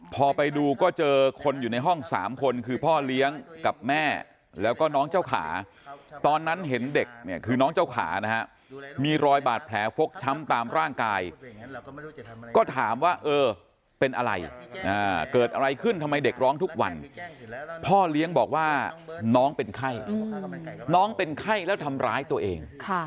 พอไปดูก็เจอคนอยู่ในห้อง๓คนคือพ่อเลี้ยงกับแม่แล้วก็น้องเจ้าขาตอนนั้นเห็นเด็กเนี่ยคือน้องเจ้าขานะฮะมีรอยบาดแผลฟกช้ำตามร่างกายก็ถามว่าเออเป็นอะไรเกิดอะไรขึ้นทำไมเด็กร้องทุกวันพ่อเลี้ยงบอกว่าน้องเป็นไข้น้องเป็นไข้แล้วทำร้ายตัวเอง